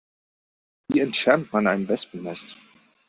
Wie entfernt man ein Wespennest?